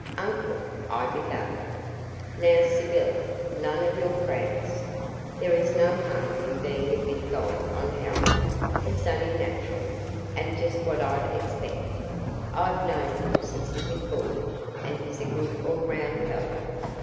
"Uncle " I began. "Now, Sybylla, none of your crammers. There is no harm in being a bit gone on Harry. It's only natural, and just what I'd expect. I've known him since he was born, and he's a good all round fellow.